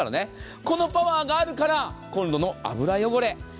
このパワーがあるからコンロの油汚れ。